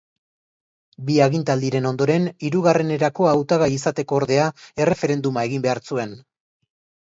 Bi agintaldiren ondoren, hirugarrenerako hautagai izateko ordea, erreferendum-a egin behar zuen.